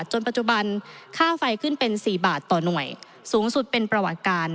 จนปัจจุบันค่าไฟขึ้นเป็น๔บาทต่อหน่วยสูงสุดเป็นประวัติการ